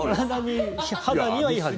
肌にはいいはず。